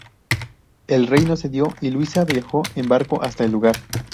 El Rey no cedió y Luisa viajó en barco hasta el lugar.